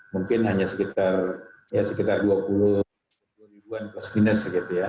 mungkin hanya sekitar dua puluh plus minus